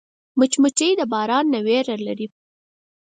مچمچۍ د باران نه ویره لري